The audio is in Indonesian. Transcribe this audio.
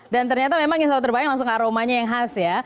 dan ternyata memang yang salah terbaik langsung aromanya yang khas ya